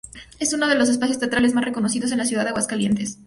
Es uno de los espacios teatrales más reconocidos en la ciudad de Aguascalientes.